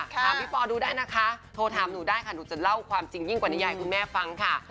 ถามพี่ปอดูได้นะคะโทรถามหนูได้ค่ะหนูจะเล่าความจริงยิ่งกว่านิยายคุณแม่ฟังค่ะ